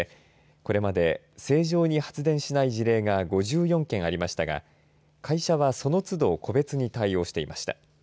これまで正常に発電しない事例が５４件ありましたが会社はそのつど個別に対応していました。